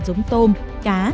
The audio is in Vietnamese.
giống tôm cá